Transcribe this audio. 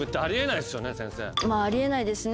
あり得ないですね。